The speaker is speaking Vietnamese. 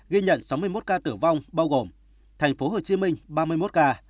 ghi nhận sáu mươi một ca tử vong bao gồm thành phố hồ chí minh ba mươi một ca